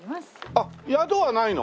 あっ宿はないの？